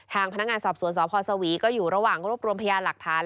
ทางพนักงานสอบสวนสพสวีก็อยู่ระหว่างรวบรวมพยานหลักฐาน